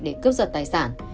để cướp giật tài sản